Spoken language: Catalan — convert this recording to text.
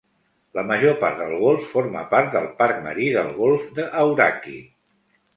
La major part del golf forma part del Parc marí del golf de Hauraki.